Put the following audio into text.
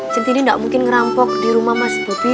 centi gak mungkin ngerampok di rumah mas bobi